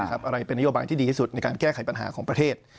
อะไรเป็นนโยบายที่ดีที่สุดในการแก้ไขปัญหาของประเทศ